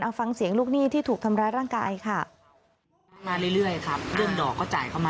เอาฟังเสียงลูกหนี้ที่ถูกทำร้ายร่างกายค่ะ